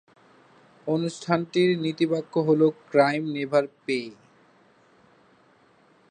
অনুষ্ঠানটির নীতিবাক্য হল ক্রাইম নেভার পে।